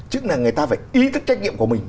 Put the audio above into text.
chứ là người ta phải ý thức trách nhiệm của mình